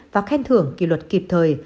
và khen thưởng kỳ luật kịp thời